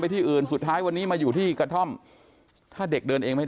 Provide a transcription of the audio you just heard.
จะสื่อสารกันยังไง